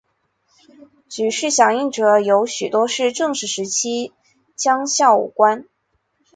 举事响应者有许多是郑氏时期将校武官。